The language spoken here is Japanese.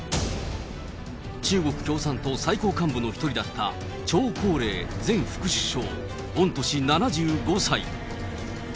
中国共産党最高幹部の１人だった張高麗前副首相、御年７５歳。